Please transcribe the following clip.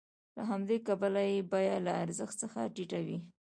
له همدې کبله یې بیه له ارزښت څخه ټیټه وي